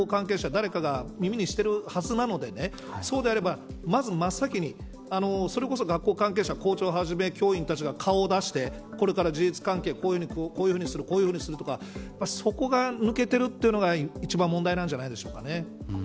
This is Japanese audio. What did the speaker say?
誰かが耳にしているはずなのでそうであれば、まず真っ先にそれこそ学校関係者校長をはじめ教員たちが顔を出してこれから事実関係こういうふうにするとかそこが抜けているのが一番問題なんじゃないんでしょうか。